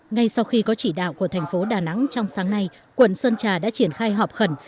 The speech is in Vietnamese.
ngay sau khi có chỉ đạo của thành phố đà nẵng trong sáng nay quận sơn trà đã triển khai họp khẩn